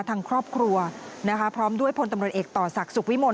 ทางครอบครัวนะคะพร้อมด้วยพลตำรวจเอกต่อศักดิ์สุขวิมล